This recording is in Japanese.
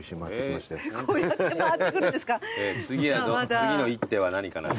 次の一手は何かな？